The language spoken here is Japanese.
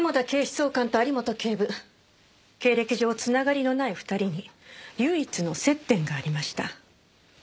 警視総監と有本警部経歴上繋がりのない２人に唯一の接点がありました。